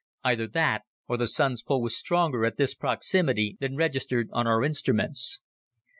Either that, or the Sun's pull was stronger at this proximity than registered on our instruments.